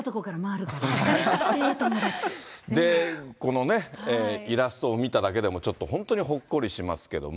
で、このね、イラストを見ただけでも、ちょっと本当にほっこりしますけども。